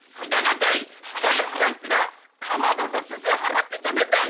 払え払えってかまどの煤払ってんじゃねえんだ！